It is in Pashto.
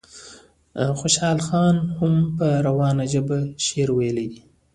خوشحال خان هم په روانه ژبه شعر ویلی.